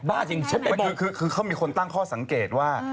จริงคือเขามีคนตั้งข้อสังเกตว่า